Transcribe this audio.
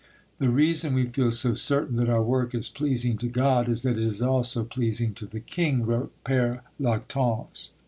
"The reason we feel so certain that our work is pleasing to God is that it is also pleasing to the king," wrote Pere Lactance.